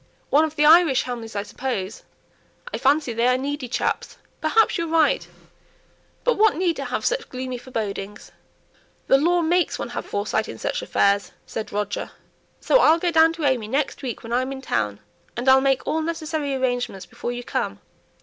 "One of the Irish Hamleys, I suppose. I fancy they are needy chaps. Perhaps you're right. But what need to have such gloomy forebodings?" "The law makes one have foresight in such affairs," said Roger. "So I'll go down to AimÄe next week when I'm in town, and I'll make all necessary arrangements before you come.